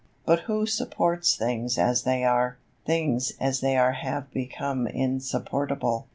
But who supports things as they are? Things as they are have become insupportable.